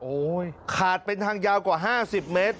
ขาดเป็นทางยาวกว่า๕๐เมตร